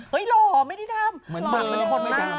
เห้ยหล่อไม่ได้ทำเหมือนเดิมเหมือนคนไม่ทำ